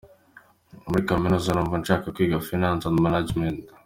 Muri kaminuza numva nshaka kwiga Finance and management!.